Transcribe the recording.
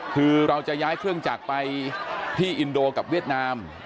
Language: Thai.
คือเราจะย้ายเครื่องจักรไปที่อินโดกับเวียดนาม